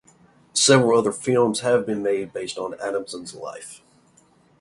Several other films have been made based on Adamson's life.